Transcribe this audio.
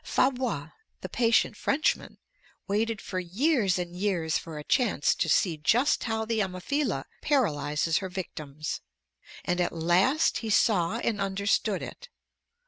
Fabre, the patient Frenchman, waited for years and years for a chance to see just how the Ammophila paralyzes her victims, and at last he saw and understood it.